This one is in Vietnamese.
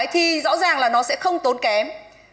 thì rõ ràng là nó sẽ không tốn kém